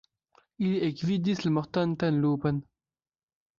Ili ekvidis la mortantan lupon.